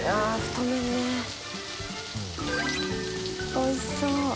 おいしそう。